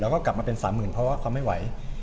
แล้วก็กลับมาเป็น๓หมื่นเพราะว่าความไม่ไหว